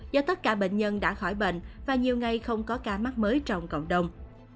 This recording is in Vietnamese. do tất cả bệnh nhân đã khỏi bệnh và nhiều ngày không có ca mắc mới trong cộng đồng